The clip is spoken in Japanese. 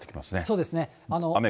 そうですね。